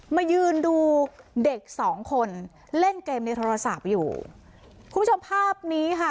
มายืนดูเด็กสองคนเล่นเกมในโทรศัพท์อยู่คุณผู้ชมภาพนี้ค่ะ